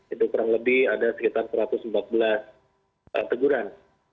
itu kurang lebih ada sekitar satu ratus empat belas teguran